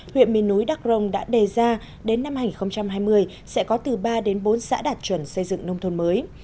huyện miền núi đắc rồng đã đề ra đến năm hai nghìn hai mươi sẽ có từ ba đến bốn xã đạt chuẩn xây dựng nông thôn mới